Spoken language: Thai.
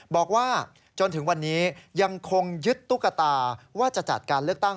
บอกว่าจนถึงวันนี้ยังคงยึดตุ๊กตาว่าจะจัดการเลือกตั้ง